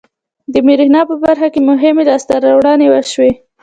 د بریښنا په برخه کې مهمې لاسته راوړنې وشوې.